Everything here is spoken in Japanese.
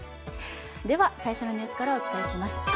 では最初のニュースからお伝えします。